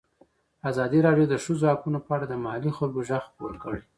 ازادي راډیو د د ښځو حقونه په اړه د محلي خلکو غږ خپور کړی.